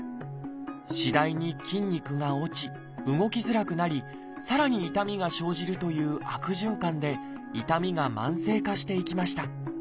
次第に筋肉が落ち動きづらくなりさらに痛みが生じるという悪循環で痛みが慢性化していきました。